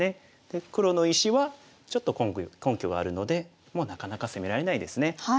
で黒の石はちょっと根拠があるのでもうなかなか攻められないですね。